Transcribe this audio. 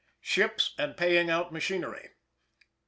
] _Ships and Paying out Machinery.